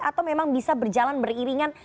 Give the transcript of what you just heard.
atau memang bisa berjalan beriringan